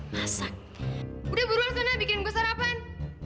masak udah buruan sana bikin buku sarapan